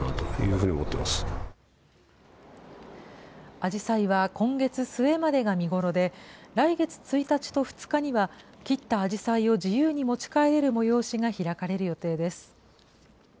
アジサイは今月末までが見頃で、来月１日と２日には、切ったアジサイを自由に持ち帰れる催しが開かれる予定です。